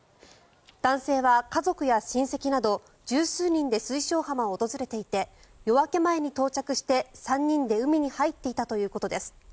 男性は家族や親戚など１０数人で水晶浜を訪れていて夜明け前に到着して、３人で海に入っていたということです。